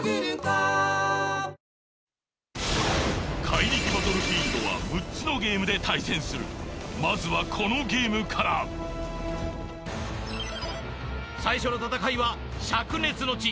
「怪力バトルフィールド」は６つのゲームで対戦するまずはこのゲームから最初の戦いは灼熱の地